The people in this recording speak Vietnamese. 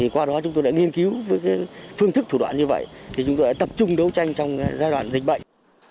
qua đó chúng tôi đã nghiên cứu với phương thức thủ đoạn như vậy chúng tôi đã tập trung đấu tranh trong giai đoạn dịch bệnh